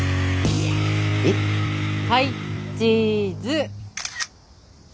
はいチーズ！